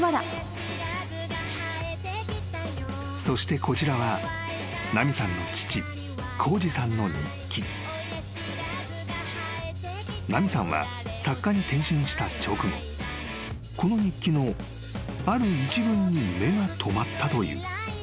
［そしてこちらは奈美さんの］［奈美さんは作家に転身した直後この日記のある一文に目が留まったという］